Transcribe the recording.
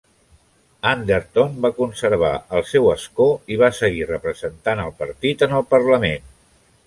Anderton va conservar el seu escó i va seguir representant al partit en el Parlament.